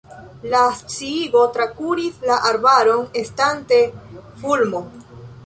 La sciigo trakuris la arbaron estante fulmo.